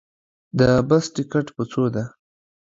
د بس ټکټ په څو ده